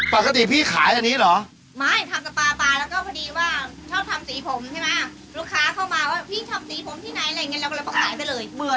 ปกติพี่ขายอันนี้เหรอ